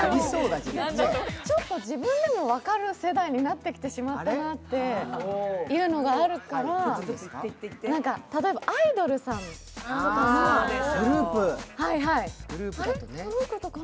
ちょっと自分でも分かる世代になってきてしまったなというのがあるから例えばアイドルさんとか。